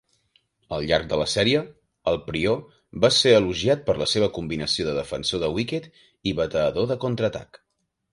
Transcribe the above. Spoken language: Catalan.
Al llarg de la sèrie, el Prior va ser elogiat per la seva combinació de defensor de wicket i batedor de contraatac.